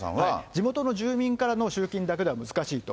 地元の住民からの集金だけでは難しいと。